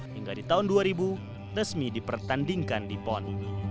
hingga di tahun dua ribu resmi dipertandingkan di pon